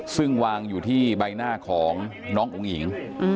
ซึ่งวางอยู่ที่ใบหน้าของน้องอุ้งอิ๋ง